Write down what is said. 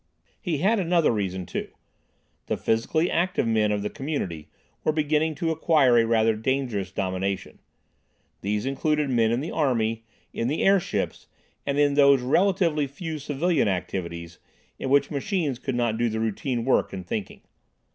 He had another reason too. The physically active men of the community were beginning to acquire a rather dangerous domination. These included men in the army, in the airships, and in those relatively few civilian activities in which machines could not do the routine work and thinking.